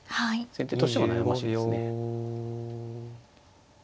先手としても悩ましいですね。